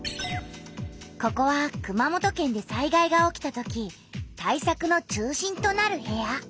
ここは熊本県で災害が起きたとき対策の中心となる部屋。